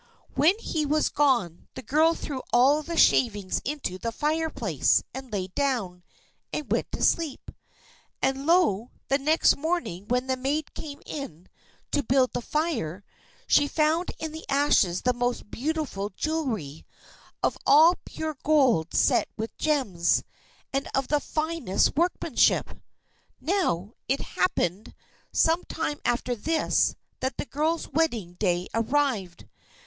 When he was gone the girl threw all the shavings into the fireplace, and lay down, and went to sleep. And, lo, the next morning when the maid came in to build the fire, she found in the ashes the most beautiful jewelry, all of pure gold set with gems, and of the finest workmanship! Now, it happened, some time after this, that the girl's wedding day arrived.